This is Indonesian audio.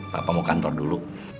papa mau kantor dulu